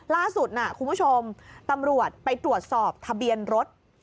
ล่าสุดคุณผู้ชมตำรวจไปตรวจสอบทะเบียนรถ